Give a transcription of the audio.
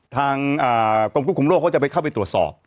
ทางกรมควบคุมโรคเขาจะไปเข้าไปตรวจสอบ